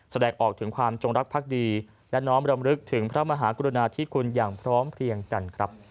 แสดงออกถึงความจงรักภักดีและน้อมรำลึกถึงพระมหากรุณาธิคุณอย่างพร้อมเพลียงกันครับ